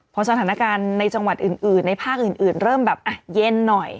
พอสถานการณ์ในจังหวัดอื่นในภาคอื่นเริ่มแบบเย็นหน่อย